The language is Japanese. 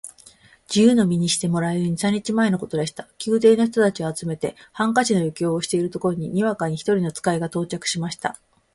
自由の身にしてもらえる二三日前のことでした。宮廷の人たちを集めて、ハンカチの余興をしているところへ、にわかに一人の使が到着しました。